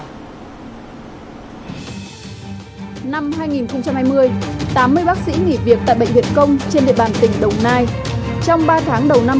năm hai nghìn hai mươi tám mươi bác sĩ nghỉ việc tại bệnh viện công trên địa bàn tỉnh đồng nai